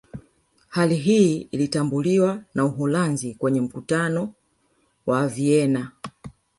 Hali hii ilitambuliwa na Uholanzi kwenye Mkutano wa Vienna